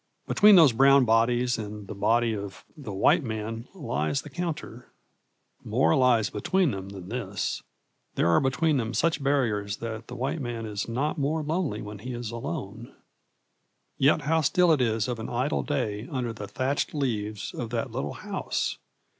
Between those brown bodies and the body of the white man lies the counter. More lies between them than this. There are between them such barriers that the white man is not more lonely when he is alone. Yet how still it is of an idle day under the thatched leaves of that little house!